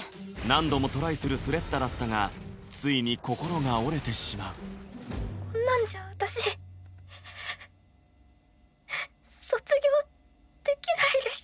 何度もトライするスレッタだったがついに心が折れてしまうこんなんじゃ私卒業できないです。